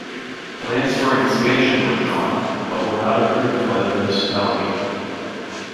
Plans for an expansion were drawn, but were not approved by the municipality.